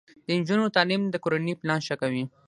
د نجونو تعلیم د کورنۍ پلان ښه کوي.